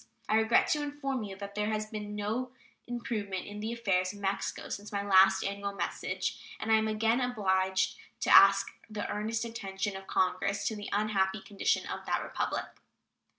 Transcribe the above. I regret to inform you that there has been no improvement in the affairs of Mexico since my last annual message, and I am again obliged to ask the earnest attention of Congress to the unhappy condition of that Republic.